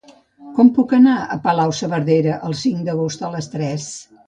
Com puc anar a Palau-saverdera el cinc d'agost a les tres?